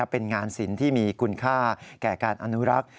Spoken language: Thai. เป็นงานศิลป์ที่มีคุณค่าแก่การอนุรักษ์